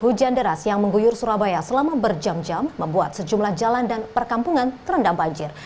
hujan deras yang mengguyur surabaya selama berjam jam membuat sejumlah jalan dan perkampungan terendam banjir